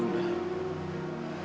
tolong serahkan kepada kakak wijayamu